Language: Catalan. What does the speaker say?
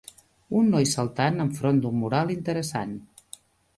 Un noi saltant enfront d'un mural interessant.